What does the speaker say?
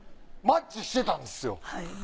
マッチしてたんですよ